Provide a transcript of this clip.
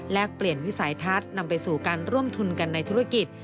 เปลี่ยนวิสัยทัศน์นำไปสู่การร่วมทุนกันในธุรกิจ